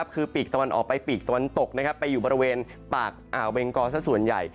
คือปีกตะวันออกไปปีกตะวันตกไปอยู่บริเวณปากอ่าวเบงกอสักส่วนใหญ่